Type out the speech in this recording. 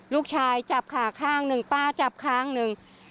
จับขาข้างหนึ่งป้าจับข้างหนึ่ง